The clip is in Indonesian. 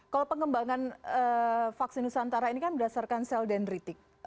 kalau pengembangan vaksin nusantara ini kan berdasarkan sel dendritik